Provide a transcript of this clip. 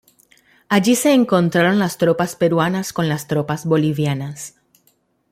Allí se encontraron las tropas peruanas con las tropas bolivianas.